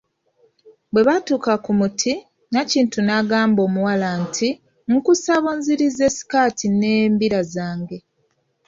Bwebaatuka ku muti, Nakintu n'agamba omuwala nti, nkusaba onzirize sikaati n'embira zange.